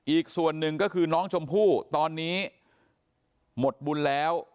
อีกส่วนหนึ่งก็คือน้องชมพู่ตอนนี้หมดบุญแล้ว